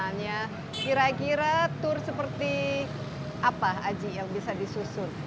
nah kira kira tour seperti apa aji yang bisa disusun